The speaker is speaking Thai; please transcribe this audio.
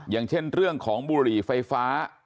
อย่างเช่นเรื่องของบุหรี่ไฟฟ้า